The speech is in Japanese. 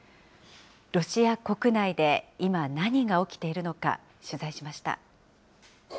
ロシア国内で今、何が起きているのか、取材しました。